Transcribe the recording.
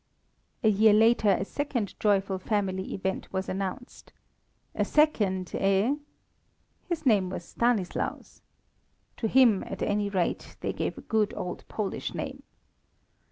A year later a second joyful family event was announced. "A second, eh?" His name was Stanislaus. To him, at any rate, they gave a good old Polish name.